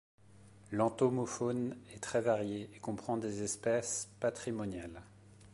L'entomofaune est très variée et comprend des espèces patrimoniales.